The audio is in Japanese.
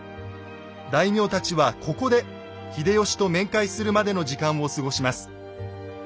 大名たちはここで秀吉と面会するまでの時間を過ごします。